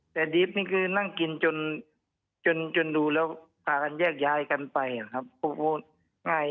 แต่ดิฟต์นี่คือนั่งกินจนดูแล้วพากันแยกย้ายกันไปครับ